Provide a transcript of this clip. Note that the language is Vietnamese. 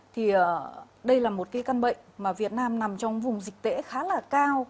thì đây là một cái căn bệnh mà việt nam nằm trong vùng dịch tễ khá là cao